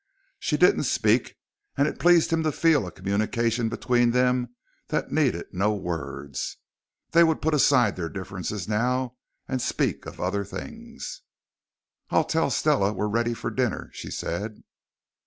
She didn't speak, and it pleased him to feel a communication between them that needed no words. They would put aside their differences now and speak of other things. "I'll tell Stella we're ready for dinner," she said.